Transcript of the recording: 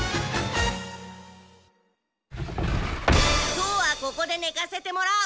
今日はここでねかせてもらう！